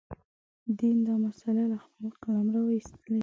دین دا مسأله له خپل قلمروه ایستلې ده.